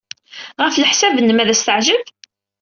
Ɣef leḥsab-nnem, ad as-teɛjeb?